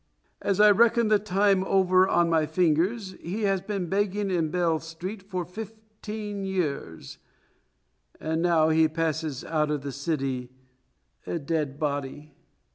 As I reckon the time over on my fingers, he has been begging in Bell Street for fifteen years, and now he passes out of the city a dead body."